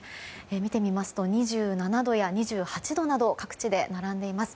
見てみますと２７度や２８度など各地で並んでいます。